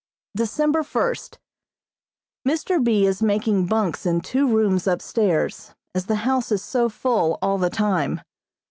December first: Mr. B. is making bunks in two rooms upstairs, as the house is so full all the time.